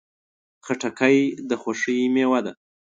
خټکی د خوښۍ میوه ده.